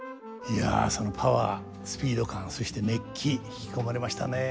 いやそのパワースピード感そして熱気引き込まれましたね。